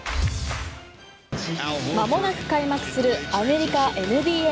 まもなく開幕するアメリカ・ＮＢＡ。